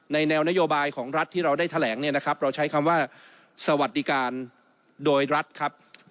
แนวนโยบายของรัฐที่เราได้แถลงเนี่ยนะครับเราใช้คำว่าสวัสดิการโดยรัฐครับ